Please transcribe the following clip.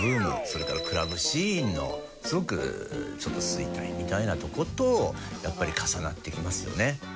それからクラブシーンのすごく衰退みたいなとことやっぱり重なってきますよね。